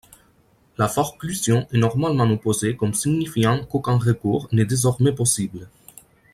La forclusion est normalement opposée comme signifiant qu'aucun recours n'est désormais possible.